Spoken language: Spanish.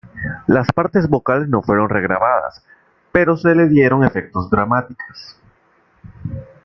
Las partes vocales no fueron regrabadas, pero se les dieron efectos dramáticas.